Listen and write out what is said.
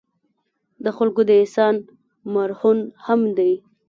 د خلکو د احسان مرهون هم دي.